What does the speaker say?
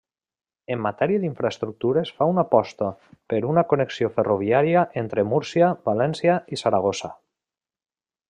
En matèria d'infraestructures fa una aposta per una connexió ferroviària entre Múrcia, València i Saragossa.